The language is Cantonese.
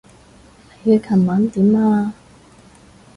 你琴晚點啊？